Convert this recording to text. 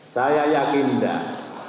saya yakin tidak